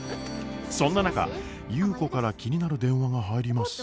そんな中優子から気になる電話が入ります。